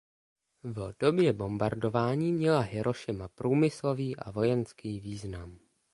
V době bombardování měla Hirošima průmyslový a vojenský význam.